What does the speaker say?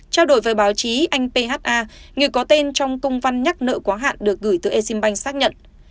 trao đổi với báo chí anh pha người có tên trong công văn nhắc nợ quá hạn được gửi từ exim bank xác nhận